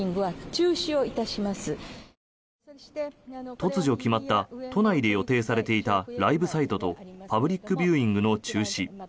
突如決まった都内で予定されていたライブサイトとパブリックビューイングの中止。